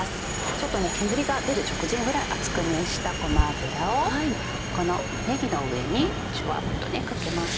ちょっと煙が出る直前ぐらい熱く熱したごま油をこのねぎの上にジュワっとかけます。